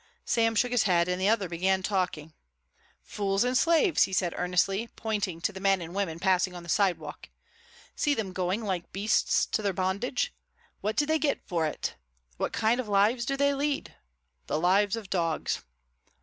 Sam shook his head, and the other began talking. "Fools and slaves," he said earnestly, pointing to the men and women passing on the sidewalk. "See them going like beasts to their bondage? What do they get for it? What kind of lives do they lead? The lives of dogs."